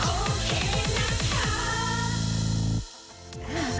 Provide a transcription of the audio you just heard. โอเคนะคะ